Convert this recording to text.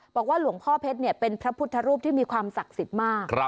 บอกว่าหลวงพ่อเพชรเป็นพระพุทธรูปที่มีความศักดิ์สิทธิ์มาก